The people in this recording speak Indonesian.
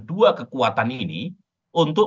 dua kekuatan ini untuk